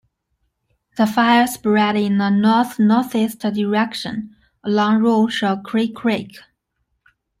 The fire spread in a north-northeast direction, along Roche A Cri Creek.